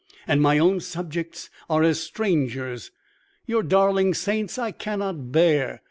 And my own subjects are as strangers. Your darling saints I cannot bear.